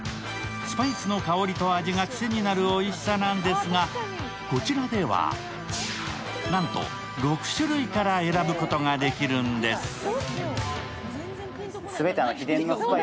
スパイスの香りと味が癖になるおいしさなんですがこちらでは、なんと６種類から選ぶことができるんです。